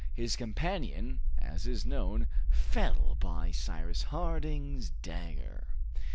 His companion, as is known, fell by Cyrus Harding's dagger.